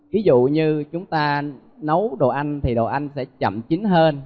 ví dụ như chúng ta nấu đồ ăn thì đồ ăn sẽ chậm chính hơn